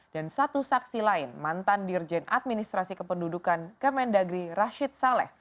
dan satu saksi lain mantan dirjen administrasi kependudukan kementerian dalam negeri rashid saleh